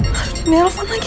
harusnya dia nelfon lagi